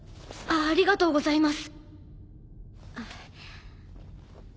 ありがとうございます。